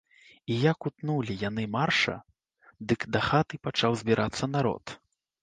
І як утнулі яны марша, дык да хаты пачаў збірацца народ.